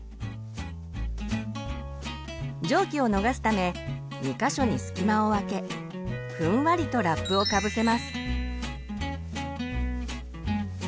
蒸気を逃すため２か所に隙間をあけふんわりとラップをかぶせます。